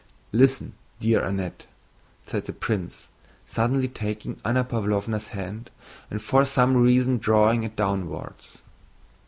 "Listen, dear Annette," said the prince, suddenly taking Anna Pávlovna's hand and for some reason drawing it downwards.